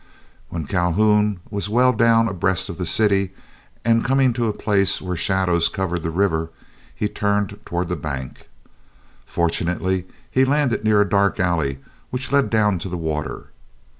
When Calhoun was well down abreast of the city, and coming to a place where shadows covered the river, he turned toward the bank. Fortunately he landed near a dark alley which led down to the water.